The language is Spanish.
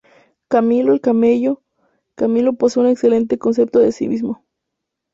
Camilo el camello: Camilo posee un excelente concepto de sí mismo.